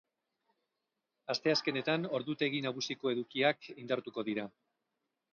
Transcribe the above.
Asteazkenetan ordutegi nagusiko edukiak indartuko dira.